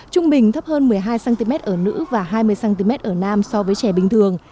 trung bình thấp hơn một mươi hai cm ở nữ và hai mươi cm ở nam so với trẻ bình thường